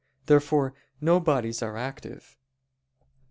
Therefore no bodies are active.